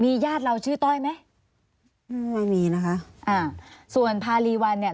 ญาติเราชื่อต้อยไหมอืมไม่มีนะคะอ่าส่วนพารีวันเนี่ย